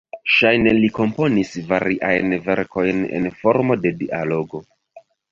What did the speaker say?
Ŝajne li komponis variajn verkojn en formo de dialogo.